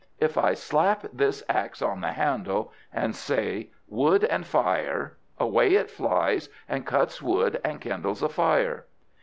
If I slap this axe on the handle, and say, Wood and fire! away it flies, and cuts wood and kindles a fire.